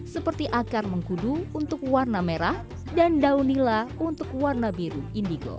seperti akar mengkudu untuk warna merah dan daun nila untuk warna biru indigo